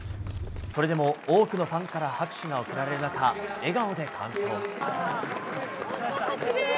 それでも多くのファンから拍手が送られる中、笑顔で完走。